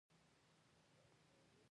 د بوټانو ارزښت په دې کې دی چې په پښو شي